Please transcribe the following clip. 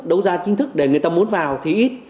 đấu giá chính thức để người ta muốn vào thì ít